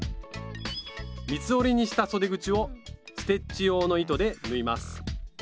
三つ折りにしたそで口をステッチ用の糸で縫います。